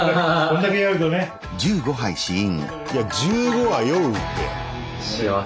いや１５は酔うって。